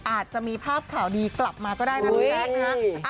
อาจจะมีภาพข่าวดีกลับมาก็ได้นะพี่แจ๊กนะฮะ